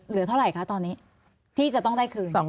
เหลือเท่าไหร่คะตอนนี้ที่จะต้องได้คืน